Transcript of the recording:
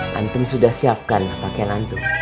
ustadz antum sudah siapkan pakaian antum